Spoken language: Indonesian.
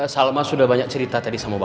salman sudah banyak cerita tadi sama bapak